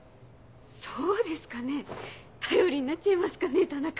そうですかね頼りになっちゃいますかね田中。